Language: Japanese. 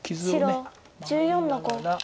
白１４の五。